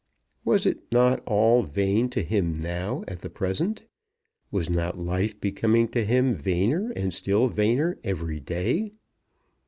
Was it not all vain to him now at the present? Was not life becoming to him vainer and still vainer every day?